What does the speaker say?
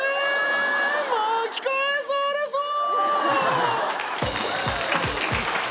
巻き返されそう。